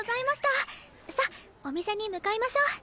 さっお店に向かいましょう。